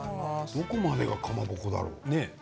どこまでがかまぼこなんだろう。